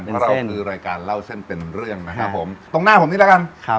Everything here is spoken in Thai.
ของเราคือรายการเล่าเส้นเป็นเรื่องนะครับผมตรงหน้าผมนี้แล้วกันครับ